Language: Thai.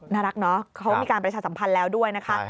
น่ารักเนาะเขามีการประชาสัมพันธ์แล้วด้วยนะคะ